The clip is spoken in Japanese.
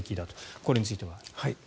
これについては。